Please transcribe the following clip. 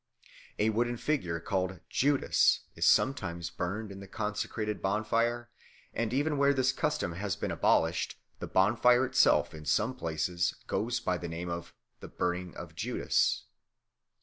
A wooden figure called Judas is sometimes burned in the consecrated bonfire, and even where this custom has been abolished the bonfire itself in some places goes by the name of "the burning of Judas."